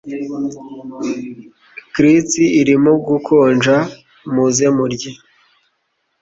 grits irimo gukonja muze murye